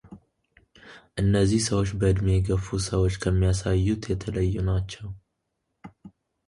እነዚህ ሰዎች በዕድሜ የገፉ ሰዎች ከሚያሳዩት የተለዩ ናቸው።